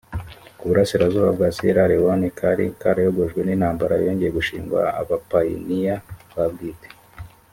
k uburasirazuba bwa siyera lewone kari karayogojwe n intambara yongeye gushingwa abapayiniya ba bwite